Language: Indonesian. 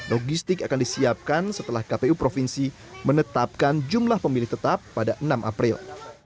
logistik akan disiapkan setelah kpu provinsi menetapkan jumlah pemilih tetap pada enam april